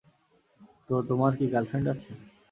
তো, তোমার কি গার্লফ্রেন্ড আছে?